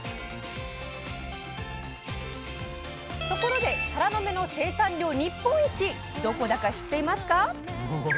ところでタラの芽の生産量日本一どこだか知っていますか？